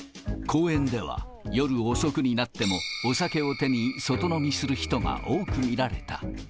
公園では、夜遅くになってもお酒を手に外飲みする人が多く見られた。